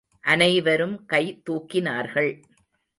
அனைவரும் கை தூக்கினார்கள்.